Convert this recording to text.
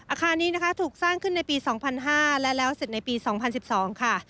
อาคารนี้นะคะถูกสร้างขึ้นในปี๒๐๐๕และแล้วเสร็จในปี๒๐๑๒ค่ะ